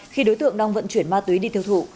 khi đối tượng đang vận chuyển ma túy đi tiêu thụ